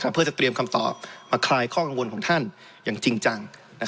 เพื่อจะเตรียมคำตอบมาคลายข้อกังวลของท่านอย่างจริงจัง